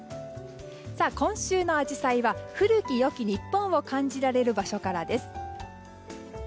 今週のアジサイは古き良き日本を感じられる場所からです。